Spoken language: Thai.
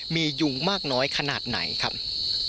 มียุงมากน้อยขนาดไหนครับ